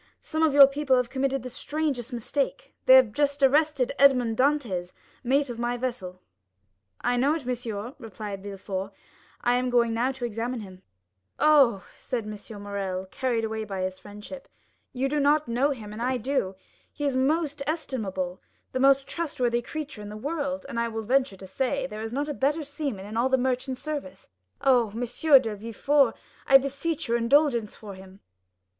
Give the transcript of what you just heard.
Some of your people have committed the strangest mistake—they have just arrested Edmond Dantès, mate of my vessel." "I know it, monsieur," replied Villefort, "and I am now going to examine him." "Oh," said Morrel, carried away by his friendship, "you do not know him, and I do. He is the most estimable, the most trustworthy creature in the world, and I will venture to say, there is not a better seaman in all the merchant service. Oh, M. de Villefort, I beseech your indulgence for him."